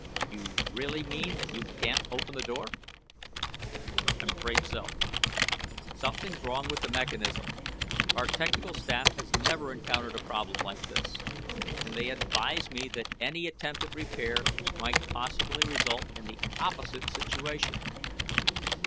"You really mean that you can't open the door?" "I'm afraid so. Something's wrong with the mechanism. Our technical staff has never encountered a problem like this, and they advise me that any attempt at repair might possibly result in the opposite situation."